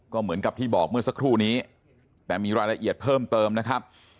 ก็เหมือนกับที่บอกเมื่อสักครู่นี้แต่มีรายละเอียดเพิ่มเติมนะครับ